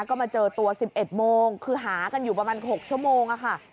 ก็มาเจอตัวสิบเอ็ดโมงคือหากันอยู่ประมาณหกชั่วโมงอะค่ะ